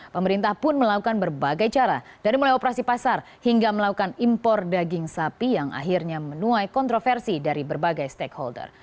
pemerintah pun melakukan berbagai cara dari mulai operasi pasar hingga melakukan impor daging sapi yang akhirnya menuai kontroversi dari berbagai stakeholder